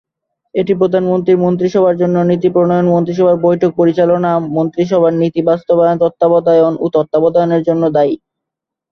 এটি প্রধানমন্ত্রীর মন্ত্রিসভার জন্য নীতি প্রণয়ন, মন্ত্রিসভার বৈঠক পরিচালনা এবং মন্ত্রিসভার নীতি বাস্তবায়নের তত্ত্বাবধান ও তত্ত্বাবধানের জন্য দায়ী।